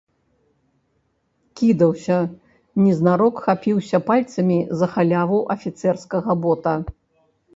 Кідаўся, незнарок хапіўся пальцамі за халяву афіцэрскага бота.